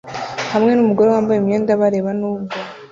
hamwe numugore wambaye imyenda bareba nubwo